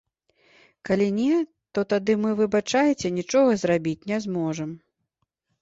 Калі не, то тады мы, выбачайце, нічога зрабіць не зможам.